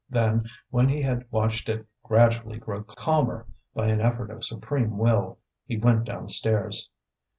Then, when he had watched it gradually grow calmer by an effort of supreme will, he went downstairs.